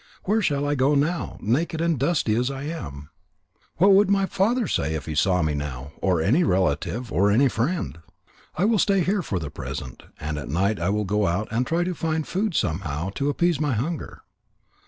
Where shall I go now, naked and dusty as I am? What would my father say if he saw me now, or any relative, or any friend? I will stay here for the present, and at night I will go out and try to find food somehow to appease my hunger."